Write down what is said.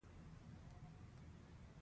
زه د کمپیوټر غږ زیاتوم.